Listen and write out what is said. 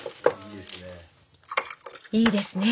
いいですね。